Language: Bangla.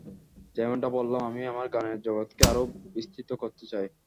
যেমনটা বললাম, আমি আমার গানের জগৎকে আরও বিস্তৃত করতে চাই।